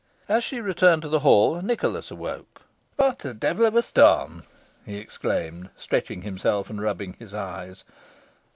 As she returned to the hall, Nicholas awoke. "What a devil of a storm!" he exclaimed, stretching himself and rubbing his eyes.